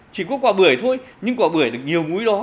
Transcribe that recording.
chỉ có quả bưởi thôi nhưng quả bưởi được nhiều muối đó